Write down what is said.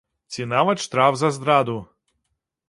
Ці нават штраф за здраду!